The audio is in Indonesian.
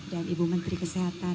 dan ibu menteri kesehatan